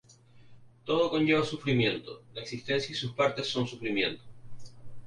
Todo conlleva sufrimiento, la existencia y sus partes son sufrimiento.